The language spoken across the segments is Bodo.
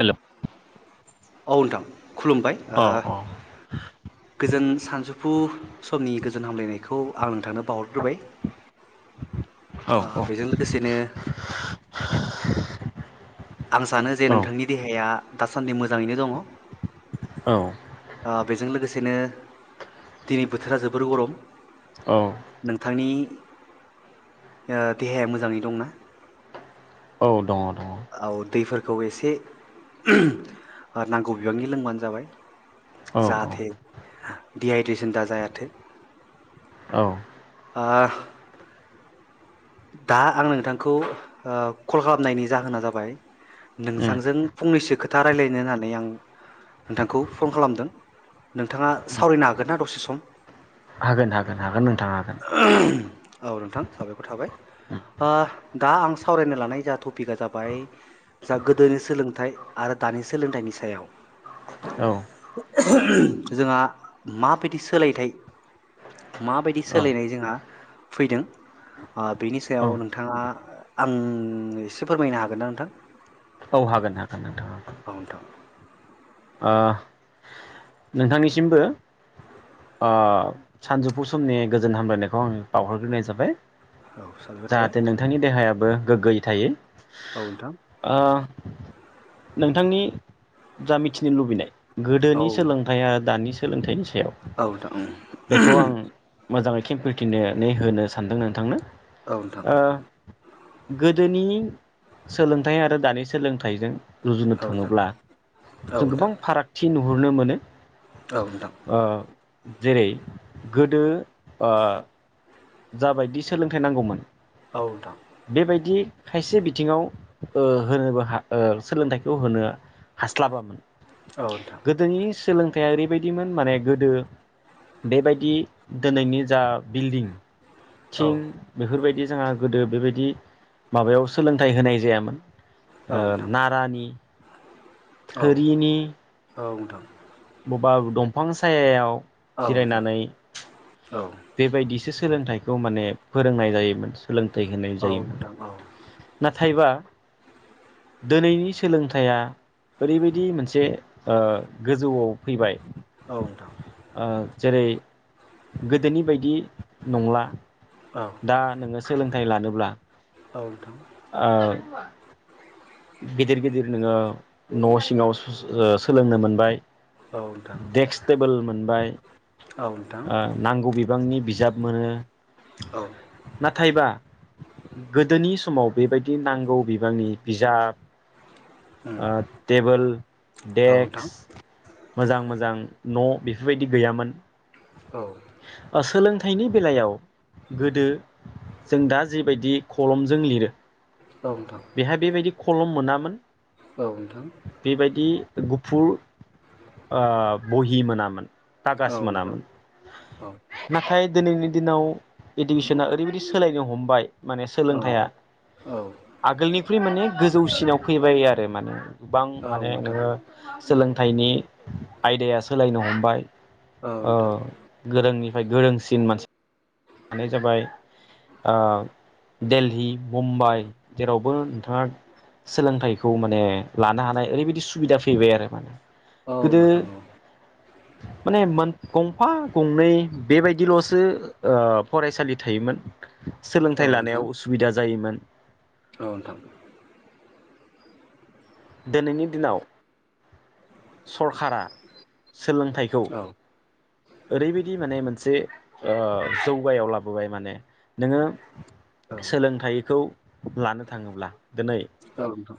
हेलौ। औ नोंथां खुलुमबाय ओ औ गोजोन सानजौफु समनि गोजोन हामलायनायखौ आं नोंथांनो बावहरग्रोबाय। ओ बेजों लोगोसेनो आं सानो जे औ नोंथांनि देहाया दासान्दि मोजाङैनो दङ। औ। ओ बेजों लोगोसे बिदिनो दिनै बोथोरा जोबोर गरम । औ। बिथांनि ओ देहाया मोजाङै दंना? औ दङ दङ औ दैफोरखौ एसे ओ नांगौ बिबांनि लोंबानो जाबाय औ जाहाथे दिहाइद्रेसन दा जायाथो। औ उम आ। दा आं नोंथांखौ ओ कल खालामनायनि जाहोना जाबाय उम नोंथांजों फंनैसो खोथा राय्लायनो होननानै आं नोंथांखौ फन खालामदों नोंथाङा सावरायनो हागोन ना दसे सम? हागोन-हागोन-हागोन नोंथां हागोन। औ नोंथां साबायखर थाबाय उम ओ दा आं सावरायनो लानाय जा टपिकआ जाबाय जा गोदोनि सोलोंथाइ आरो दानि सोलोंथाइनि सायाव औ जोंहा माबायदि सोलायथाइ माबायदि औ सोलायनाय जोंहा फैदों ओ‌ बेनि औ सायाव नोंथांङा आं एसे फोरमायनो हागोन ना नोंथां औ हागोन-हागोन नोंथांङा औ नोंथां ओ नोंथांनिसिमबो ओ सानजौफु समनि गोजोन हामलायनायखौ आं बावहरग्रोनाय जाबाय। औ साबायखर थाबाय जाहाथे नोंथांनि देहाया बो गोग्गोयो थायो। ओं नोंथां। ओ नोंथांनि जा मिथिनो लुबैनाय। गोदोनि सोलोंथाइया दानि सोलोंथाइ । औ नोंथां औ। खेमफोथिनानै होनो सानदों नोंथांनो। औ नोंथां। ओ गोदोनि सोलोंथाइ आरो दानि सोलोंथाइजों। औ रुजुनो थाङोब्ला। जों नोंथां गोबां फारागथि। नुहुरनो मोनो। औ नोंथां ओ जेरै गोदो जाबायदि सोलोंथाइ नांगौमोन। औ नोंथां बेबायदि। खायसे बिथिङाव ओ होनोबा हो सोलोंथाइखौ होनो। हास्लाबामोन गोदोनि सोलों थाइआ ओरैबायदिमोन माने गोदो बेबायदि दिनैनि जा बिल्डिं औ नोंथां औ थिं बेफोर बायदि। जोंहा गोदो बेबायदि माबायाव सोलोंथाइ होनाय जायामोन। ओ नोंथां नारानि। थोरिनि। औ नोंथां। बबेबा दंफां सायायाव जिरायनानै। औ बेबायदि एसे सोलोंथाइखौ माने फोरोंनाय जायोमोन । सोलोंथाइ होनाय औ जायोमोन नोंथां औ । नाथायबा दिनैनि सोलोंथाइया ओरैबायदि मोनसे ओ गोजौआव फैबाय । औ नोंथां । जेरै गोद दोनि बायदि नंला औ नोंथां औ नोंथां औ नोंथां औ नोंथां औ । दा नोंङो सोलोंथाइ लानोब्ला औ नोंथां । ओ गिदिर गिदिर नोंङो न' सिङाव ओ सोलोंनो मोनबाय नोंथां औ उम । देक्स, टेबोल मोनबाय । ओ नांगौ बिबांनि बिजाब मोनो । नाथायबा गोदोनि समाव बेबायदि नांगौ बिबांनि बिजाब ओ टेबोल, औ नोंथां डेक्स मोजां मोजां न' बेफोरबायदि गैयामोन औ । ओ सोलोंथ थाइनि बेलायाव गोदो जों दा जिबायदि खलमजों लिरो औ नोंथां बेहाय बेबायदि खलम मोना मोन औ नोंथां । गुफुर ओ बहि मोनामोन । औ कागाज नोंथां मोनामोन औ नाथाय दिनैनि दिनाव इडुकेसना ओरैबायदि सोलायनो हमबाय । माने औ सोलोंथाइया नोंथां औ आगोलनिख्रुइ माने गोजौसिनाव फैबाय आरो माने गोबां औ माने नोंथां नोंङो सोलोंथाइनि आयदाया सोलायनो हमबाय औ । नोंथां ओ गोरोंनि थाय गोरोंसिन मानसि मानो जाबाय ओ देलहि, मुम्बाइ जेरावबो नोंथाङा सोलोंथाइखौ माने लानो हानाय ओरैबायदि सुबिदा फैबाय आरो माने औ गोदो नोंथां औ माने मोन गंफा गंनै बेबायदिल'सो ओ फरायसालि थायोमोन। औ नोंथां औ सोलोंथाइ लानायाव उसुबिदा जायोमोन। औ नोंथां। दोनैनि दिनाव सरखारा सोलोंथाइखौ ओरैबायदि माने मोनसे ओ जौगायाव लाबोबाय माने नोङो औ सोलोंथाइखौ लानो थाङोब्ला दिनै औ नोंथां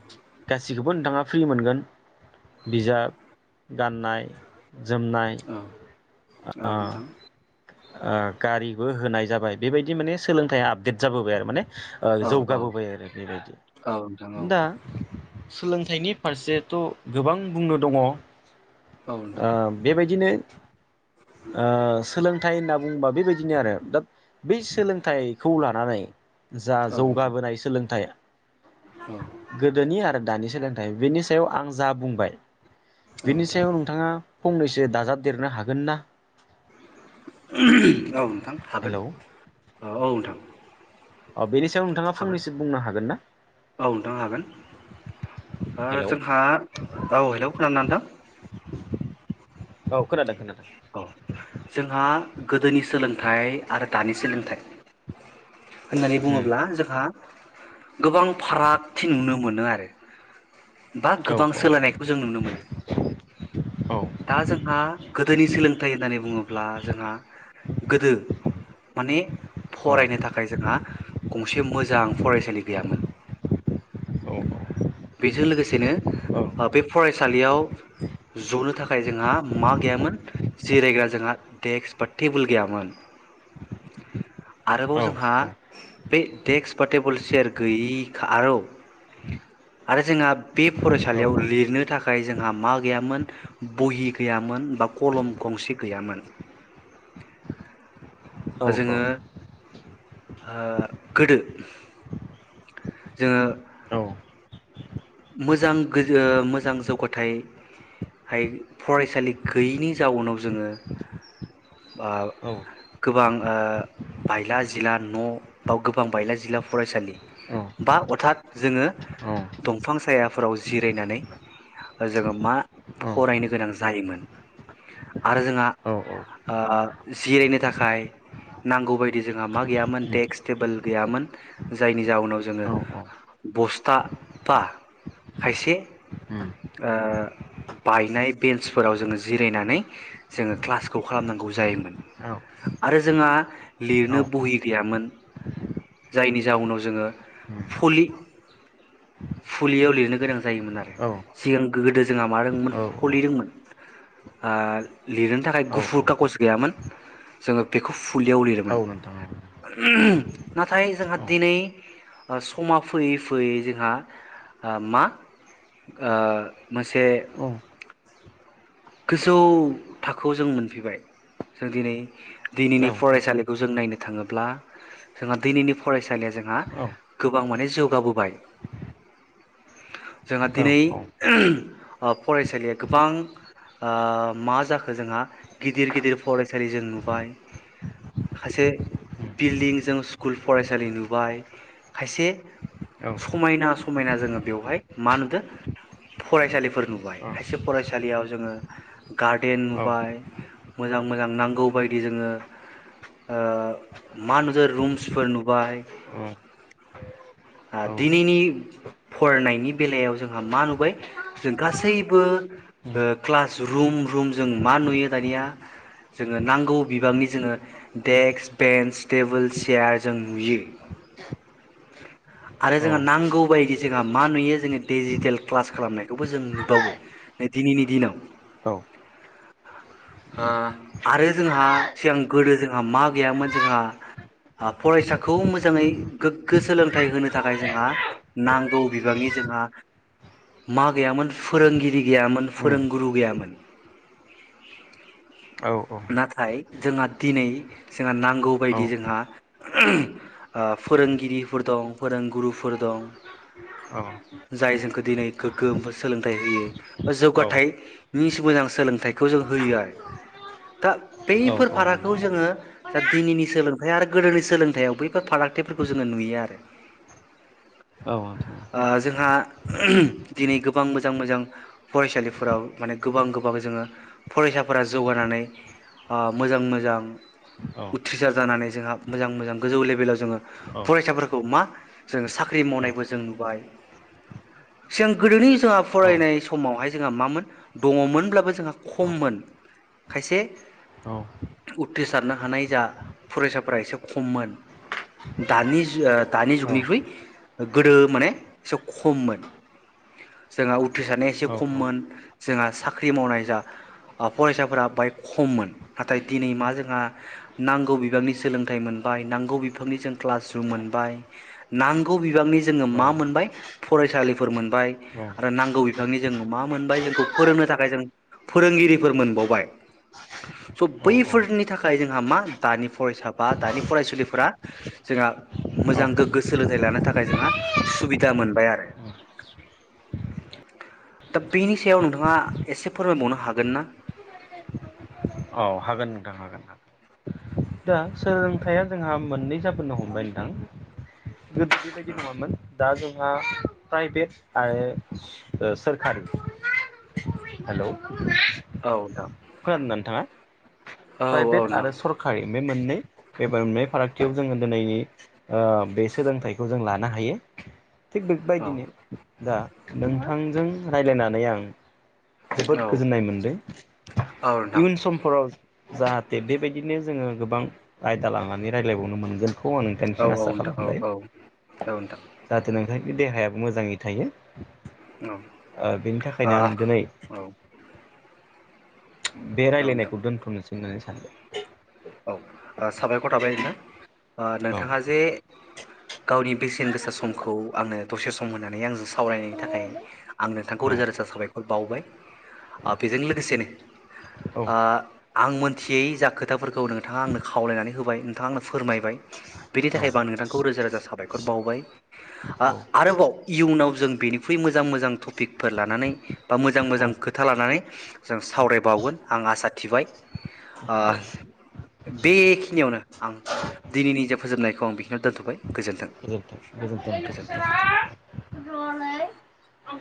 गासिखौबो नोंथाङा फ्रि मोनगोन । बिजाब गाननाय जोमनाय औ औ नोंथां आ गारिबो होनाय जाबाय बेबायदि माने सोलोंथाइया आपडेट जाबोबाय आरो माने औ औ जौगाबोबाय आरो बेबायदि औ नोंथां औ दा सोलों फिथाइनि फारसेथ' गोबां बुंनो दङ। औ नोंथां बेबायदिनो ओ सोलोंथाइ होनना बुंङोबा बेबायदिनो आरो दा बै सोलोंथाइखौ लानानै जा औ नोंथां जौगाबोनाय सोलोंथाइ औ गोदोनि आरो दानि सोलोंथाइ बेनि सायाव आं जा बुंबाय औ बेनि नोंथां सायाव नोंथाङा फंनैसो दाजाबदेरनो हागोन ना औ नोंथां हागोन हेलौ औ नोंथां ओ बेनि सायाव नोंथाङा हागोन फनैसो बुंनो हागोन ना औ नोंथां हागोन हेलौ जोंहा औ हेलौ खोना दोंना नोंथां औ खोनादों खोनादों औ जोंहा गोदोनि सोलोंथाइ आरो दानि सोलोंथाइ होननानै उम बुङोब्ला जोंहा गोबां फारागथि नुनो मोनो आरो। बा औ गोबां सोलायनायखौ जों नुनो मोनो। औ दा जोंहा गोदोनि सोलोंथाइ होननानै बुङोब्ला जोंहा गोदो माने औ फरायनो थाखाय जोंहा गंसे मोजां फरायसालि गैयामोन। औ बेजों लोगोसेनो औ बे फरायसालियाव ज'नो थाखाय जोंहा मा गैयामोन जिरायग्रा जोंहा देक्स बा टेबोल गैयामोन। आरोबाव औ जोंहा बे डेक्स बा टेबोल चेयार गैयि आरौ आरो जोंहा बे औ फरायसालियाव लिरनो थाखा थाखाय जोंहा मा गैयामोन बहि गैयामोन बा कलम गंसे गैयामोन। ओ जोङो ओ गोदो जोङो मोजां गो ओ मोजां जौगाथाय हाय फरायसालि गैयैनि जाउनाव जोङो ओ गोबां ओ बायला जिला न' बा गोबां बायला जिला फरायसालि बा अर्थात जोङो दं बिफां सायाफोराव जिरायनानै ओ जोङो मा फरायनो गोनां जायोमोन आरो जोंहा ओ जिरायनो थाखाय नांगौबायदि जोंहा मा गैयामोन डेक्स टेबोल गैयामोन जायनि जाउनाव जोङो औ औ बस्था बा खायसे उम ओ बायनाय बेन्सफोराव जोङो जिरायनानै जोङो क्लासखौ खालामनांगौ जायोमोन औ उम आरो जोंहा लिरनो औ बहि गैयामोन जायनि जाउनाव जोङो उम पलि फुलियाव लिरनो गोनां जायोमोन आरो औ सिगां गोदो जोंहा मा दोंमोन फलि दोंमोन ओ लिरनो थाखाय औ गुफुर खागज गैयामोन जोङो बेखौ फुलियाव औ लिरोमोन नोंथां औ [unintelligible] नाथाय जोंहा औ दिनै समा फैयै फैयै जोंहा ओ मा ओ मोनसे औ गोजौ थाखोआवजों मोनफैबाय जों दिनै दिनैनि औ उम फरायसालिखौ जों नायनो थाङोब्ला जोंहा दैनैनि फरायसालिया जोंहा औ गोबां माने जौगाबोबाय जोंहा औ उम दिनै [unintelligible] ओ फरायसालिया गोबां ओ मा जाखो जोंहा गिदिर गिदिर फरायसालि जों नुबाय खायसे बिल्डिं जों स्कुल फरायसालि नुबाय खायसे समायना समायना जोङो बेवहाय मा नुदों फरायसालिफोर नुबाय खायसे फरायसालियाव जोङो गारदेन उम नुबाय मोजां मोजां नांगौ बायदि जोङो ओ मानजोर रुमसफोर नुबाय ओ दिनैनि फरायनायनि बेलायाव जोंहा मा नुबाय जों गासैबो ओ क्लास रुम रुम जों मा नुयो दानिया जोङो नांगौ बिबांनि जोङो डेक्स बेन्स टेबोल चेयार जों नुयो। आरो जोंहा नांगौ बायदि जोंहा मा नुयो जोङो डिजिटेल क्लास खालामनायखौबो जों नुबावो। दिनैनि दिनाव। ओ आरो जोंहा सिगां गोदो जोंहा मा गैयामोन जोंहा फरायसाखौ मोजाङै गोग्गो सोलोंथाइ होनो थाखाय जोंहा नांगौ बिबांनि जोंहा मा गैयामोन फोरोंगिरि गैयामोन। फोरोंगुरु गैयामोन। औ औ। नाथाय जोंहा दिनै जोंहा औ नांगौबायदि जोंहा [unintelligible] ओ फोरोंगिरिफोर दं, फोरोंगुरुफोर दं औ जाय जोंखो दिनै गोग्गोम सोलोंथाइ होयो बा जौगा औ थाय निस मोजां सोलोंथाइखौ जों होयो आरो दा औ बैफोर औ फारागखौ नोंथां जोङो दा दिनैनि सोलोंथाइ आरो गोदोनि सोलोंथयाव बैफोर फारागथिफोरखौ जोङो नुयो आरो। औ। ओ जोंहा [unintelligible] दिनै गोबां मोजां मोजां फरायसालिफो फोराव माने गोबां गोबां जोङो फरायसाफोरा जौगानानै ओ मोजां मोजां औ उथ्रिसार जानानै जोंहा मोजां मोजां गोजौ लेभेलाव जोङो औ फरायसाफोरखौ मा जोङो साख्रि औ मावनायबो जों नुबाय। सिगां गोदोनि जोंहा फरायनाय समावहाय जों जोंहा मामोन दङमोनब्लाबो जोंहा खममोन खायसे उथ्रिसारनो हानाय जा फरायसाफोरा एसे खममोन दानि जों ओ दानि जुगनिख्रुइ गोदो माने एसे खममोन जोंहा उथ्रिसारनाया एसे खम खममोन जोंहा साख्रि मावनाय जा ओ फरायसाफोरा बाहाय खममोन नाथाय दिनै मा जोंहा नांगौ बिबांनि सोलोंथाइ मोनबाय नांगौ बिफांनि क्लास रुम मोनबाय नांगौ बिबांनि जोङो मा औ मोनबाय? फरायसालिफोर मोनबाय आरो नांगौ बिबांनि जों मा मोनबाय जोंखौ फोरोंनो थाखाय जों फोरोंगिरिफोर मोनबावबाय। स' औ बैफोरनि थाखाय जोंहा मा दानि फरायसा बा दानि फरायसुलिफोरा जोंहा मोजां गोग्गो सोलोंथाइ लानो थाखाय जोंहा सुबिदा मोनबाय आरो। दा बेनि सायाव नोंथाङा एसे फोरमायबावनो हागोन ना? औ हागोन नोंथां हागोन ओं। दा सोलोंथाइया जोंहा मोननै जाबोनो हमबाय नोंथां गोदो बेबायदि नङामोन दा जोंहा प्राइभेट आरो सोरखारि हेलौ। औ नोंथां खोनादों था नोंथाङा औ प्राइभेट नोंथां आरो सरकारि बे मोननै एबा बे फारागथियाव जोङो दोनैनि ओ बे सोलोंथाइखौ जों लानो हायो। थिग औ बेबायदिनो दा नोंथांजों रायलायनानै आं जोबोद औ गोजोननाय मोनदों। औ नोंथां इयुन समफोराव जाहाथे बेबायदिनो जोंङो गोबां आयदा लानानै रायज्लायबावनो मोनगोन बेखौ आं औ नोंथांनिसिम औ आसा नोंथां औ खालामबाय औ नोंथां जाहाथे नोंथांनि देहाया मोजांङै थायो औ बेनि आ थाखायनो आं दिनै औ बे औ नोंथां राय्लायनायखौ दोन्थ'नोसै नंनानै सानदों [unintelligible] औ नोंथांङा जे गावनि बेसेन गोसा समखौ आंङो दसे सम होननानै आंजों सावरायनायनि थाखाय आं नोंथांखौ रोजा रोजा साबाय बावबाय औ बेजों लोगोसेनो आ आं मोनथियै जा खोथाखौ फोरखौ नोंथाङा आंनो खावलायनानै होबाय नोंथाङा आंनो फोरमायबाय बेनि औ थाखायबो आं नोंथांखौ रोजा रोजा साबायखर बावबाय आरोबाव इयुनाव जों बेनिख्रुइ मोजां मोजां टपिकफोर लानानै बा मोजां औ मोजां खोथा लानानै जों सावरायबावगोन आं आसा थिबाय औ औ बेखिनियावनो आं दिनैनि जे फोजोबनायखौ आं बेखिनियाव दोनथ'बाय गोजोन्थों गोजोन्थों [unintelligible]